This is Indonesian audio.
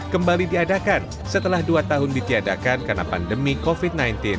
kembali diadakan setelah dua tahun ditiadakan karena pandemi covid sembilan belas